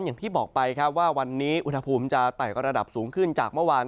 อย่างที่บอกไปครับว่าวันนี้อุณหภูมิจะไต่ระดับสูงขึ้นจากเมื่อวาน